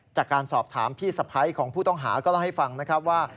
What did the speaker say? จากการสอบถามพี่สะพ้ายของผู้ต้องหาก็เล่าให้ฟังนะครับว่า